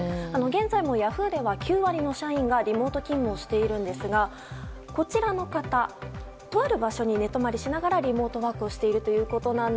現在もヤフーでは９割の社員がリモート勤務をしているんですがこちらの方とある場所に寝泊まりしながらリモートワークをしていると。